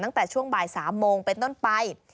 ตั้งแต่ช่วงบ่าย๓โมงเป็นต้นไป